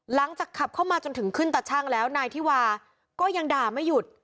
หลังจากขับเข้ามาจนถึงขึ้นตาชั่งแล้วนายธิวาก็ยังด่าไม่หยุด